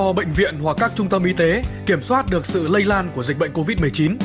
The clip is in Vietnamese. do bệnh viện hoặc các trung tâm y tế kiểm soát được sự lây lan của dịch bệnh covid một mươi chín